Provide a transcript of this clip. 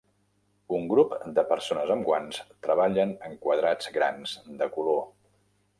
Un grup de persones amb guants treballen en quadrats grans de color.